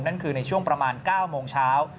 นั่นคือในช่วงประมาณ๙โมงเช้า